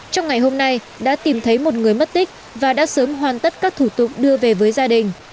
trong ngày hôm nay đã tìm thấy một người mất tích và đã sớm hoàn tất các thủ tục đưa về với gia đình